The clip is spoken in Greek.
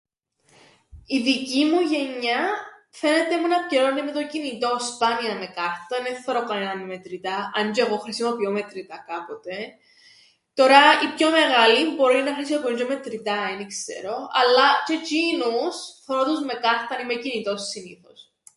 Η δική μου γενιά φαίνεται μου να πιερώννει με το κινητόν, σπάνια με κάρταν, εν θωρώ κανέναν με μετρητά, αν τζ̆αι εγώ χρησιμοποιώ μετρητά κάποτε, τωρά οι πιο μεγάλοι μπορεί να χρησιμοποιούν τζ̆αι μετρητά εν ι-ξερω αλλά τζ̆αι τζ̆εινους θωρώ τους με κάρταν ή με κινητόν συνήθως.